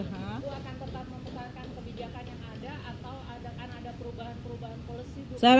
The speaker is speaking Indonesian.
bu akan tetap mempercayakan kebijakan yang ada atau adakan ada perubahan perubahan polisi